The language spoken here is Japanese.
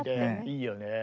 いいよね。